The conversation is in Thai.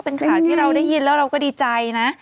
เป็นข่าวที่เราได้ยินแล้วเราก็ดีใจนะ